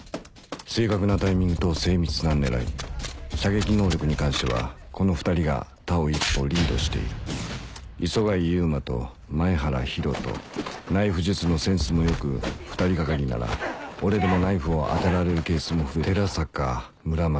正確なタイミングと精密な狙い射撃能力に関してはこの２人が他を一歩リードしている磯貝悠馬と前原陽斗ナイフ術のセンスもよく２人がかりなら俺でもナイフを当てられるケースも増えて寺坂村松